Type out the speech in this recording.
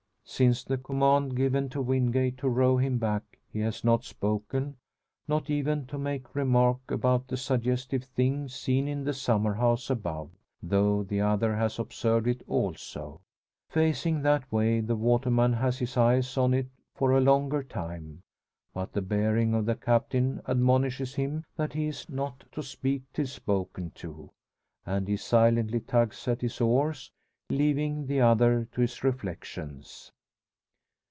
Since the command given to Wingate to row him back, he has not spoken, not even to make remark about that suggestive thing seen in the summer house above though the other has observed it also. Facing that way, the waterman has his eyes on it for a longer time. But the bearing of the Captain admonishes him that he is not to speak till spoken to; and he silently tugs at his oars, leaving the other to his reflections.